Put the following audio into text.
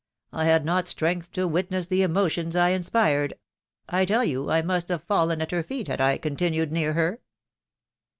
.... I had not strength to witness the emotions I inspired. ... I tell you, I must have fallen at her feet had I continued near her."